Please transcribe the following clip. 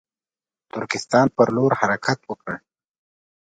ترکستان پر لور حرکت وکړ.